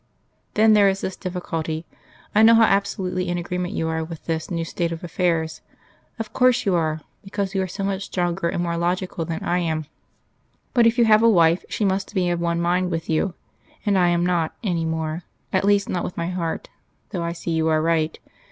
"Then there is this difficulty. I know how absolutely in agreement you are with this new state of affairs; of course you are, because you are so much stronger and more logical than I am. But if you have a wife she must be of one mind with you. And I am not, any more, at least not with my heart, though I see you are right....